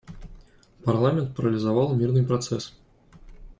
Парламент парализовал мирный процесс.